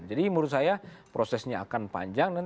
jadi menurut saya prosesnya akan panjang